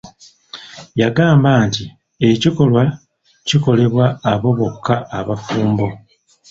Yagamba nti ekikolwa kikolebwa abo bokka abafumbo.